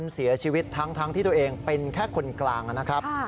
เสียชีวิตทั้งที่ตัวเองเป็นแค่คนกลางนะครับ